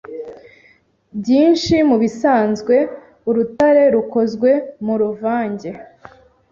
Byinshi mubisanzwe urutare rukozwe muruvange